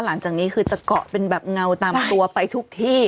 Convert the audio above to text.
หลังจากนี้คือจะเกาะเป็นแบบเงาตามตัวไปทุกที่